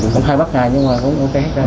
chúng hay bắt ngay nhưng mà cũng ok